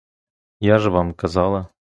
Я ж вам казала!